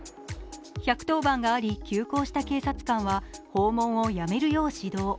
１１０番通報があり、急行した警察官は訪問をやめるよう指導。